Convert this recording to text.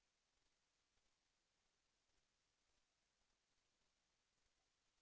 แสวได้ไงของเราก็เชียนนักอยู่ค่ะเป็นผู้ร่วมงานที่ดีมาก